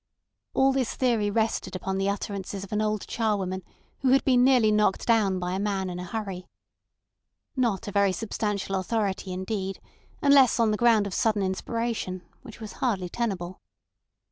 All this theory rested upon the utterances of an old charwoman who had been nearly knocked down by a man in a hurry. Not a very substantial authority indeed, unless on the ground of sudden inspiration, which was hardly tenable.